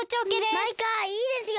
マイカいいですよ。